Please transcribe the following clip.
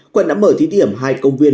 quận đã mở thí điểm hai công viên